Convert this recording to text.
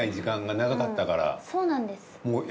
そうなんです。